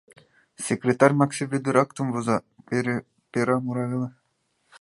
Секретарь Макси Вӧдыр актым воза, пера мура веле...